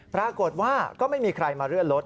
ปรากฏว่าก็ไม่มีใครมาเลื่อนรถ